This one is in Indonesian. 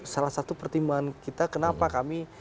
salah satu pertimbangan kita kenapa kami